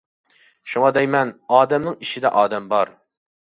شۇڭا دەيمەن، ئادەمنىڭ ئىچىدە ئادەم بار.